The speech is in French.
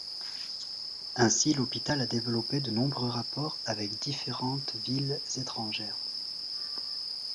Ainsi, l'hôpital a développé de nombreux rapports avec différentes villes étrangères.